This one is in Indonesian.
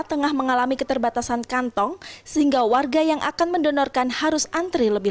tengah mengalami keterbatasan kantong sehingga warga yang akan mendonorkan harus antri lebih